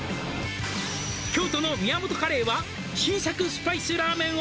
「京都の宮本カレーは新作スパイスラーメンを」